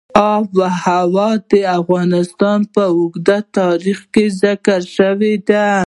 آب وهوا د افغانستان په اوږده تاریخ کې ذکر شوې ده.